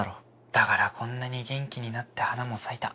だからこんなに元気になって花も咲いた。